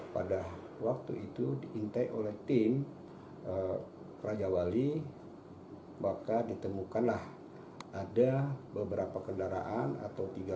empat puluh sembilan pada waktu itu diintai oleh tim raja wali bakal ditemukanlah ada beberapa kendaraan atau tiga